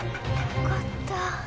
よかった。